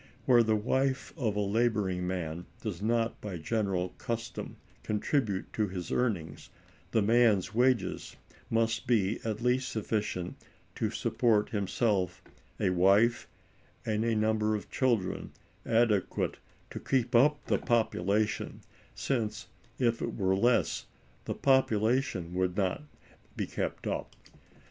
Where the wife of a laboring man does not by general custom contribute to his earnings, the man's wages must be at least sufficient to support himself, a wife, and a number of children adequate to keep up the population, since, if it were less, the population would not be kept up.